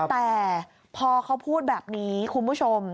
แต่พอเขาพูดแบบนี้คุณผู้ชม